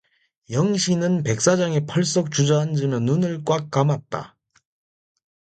영신은 백사장에 펄썩 주저앉으며 눈을 꽉 감았다.